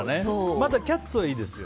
まだ「キャッツ」はいいですよ。